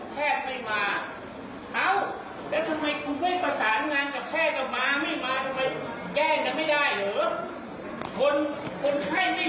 แล้วไอ้หมอไม่มากับพยาบาลทำไมไม่มากันให้ดี